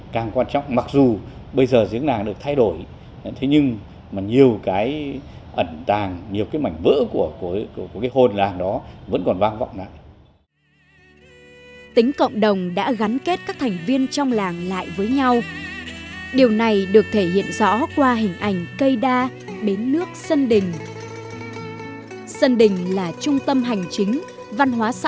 tất cả các thành viên trong làng đã gắn kết các thành viên trong làng lại với nhau điều này được thể hiện rõ qua hình ảnh cây đa bến nước sơn đình